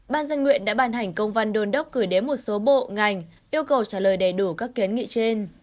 ban dân nguyện đã bàn hành công văn đồn đốc gửi đến một số bộ ngành yêu cầu trả lời đầy đủ các kiến nghị trên